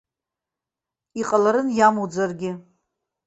Иҟаларын иамуӡаргьы.